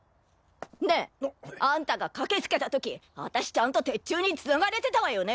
ねえアンタが駆けつけた時私ちゃんと鉄柱に繋がれてたわよね？